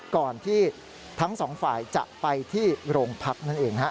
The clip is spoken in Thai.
ก่อนที่ทั้งสองฝ่ายจะไปที่โรงพักนั่นเองฮะ